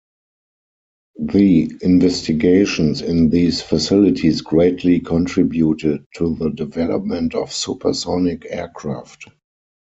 The investigations in these facilities greatly contributed to the development of supersonic aircraft.